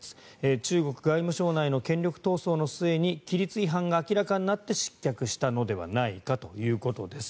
中国外務省内の権力闘争の末に規律違反が明らかになり失脚したのではないかということです。